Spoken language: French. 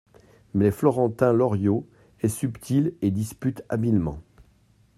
Mais Florentin Loriot est subtil et dispute habilement.